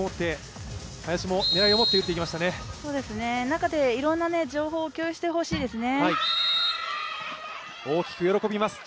中でいろんな情報を共有してほしいですね。